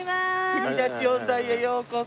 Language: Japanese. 国立音大へようこそ。